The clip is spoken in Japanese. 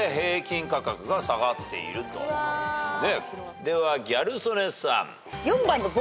ではギャル曽根さん。